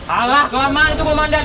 alah kelemahan itu komandan